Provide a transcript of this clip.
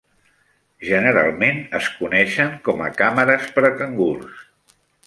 Generalment es coneixen com a "càmeres per a cangurs".